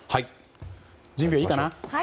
準備はいいかな？